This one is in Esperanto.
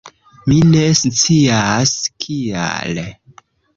Mi ne scias kial